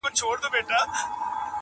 زرکي هم کرار کرار هوښیارېدلې -